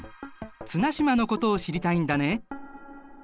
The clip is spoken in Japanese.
綱島のことを知りたいんだね。